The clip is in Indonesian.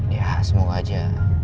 ya semoga aja